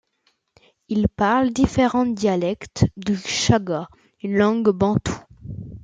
Ils parlent différents dialectes du chaga, une langue bantoue.